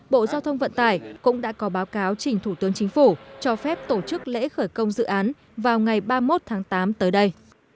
bộ giao thông vận tải cũng đã có báo cáo trình thủ tướng chính phủ cho phép tổ chức lễ khởi công dự án vào ngày ba mươi một tháng tám tới đây